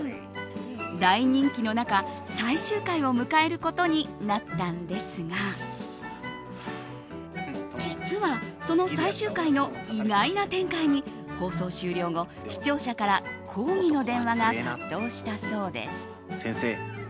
大人気の中、最終回を迎えることになったんですが実は、その最終回の意外な展開に放送終了後視聴者から抗議の電話が殺到したそうです。